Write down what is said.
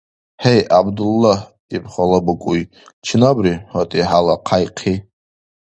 — Гьей, ГӀябдуллагь, — иб хала букӀуй, — чинабри, гьатӀи хӀела хъяйхъи?